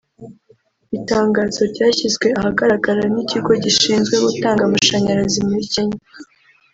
Itangazo ryashyizwe ahagaragara n’Ikigo gishinzwe gutanga amashanyarazi muri Kenya